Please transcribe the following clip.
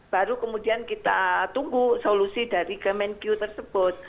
baru kemudian kita tunggu solusi dari kemenq tersebut